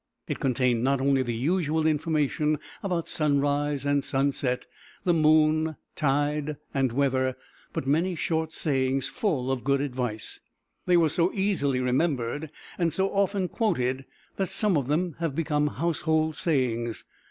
It contained not only the usual information about sunrise and sunset, the moon, tide, and weather, but many short sayings, full of good advice. They were so easily remembered, and so often quoted, that some of them have become household sayings.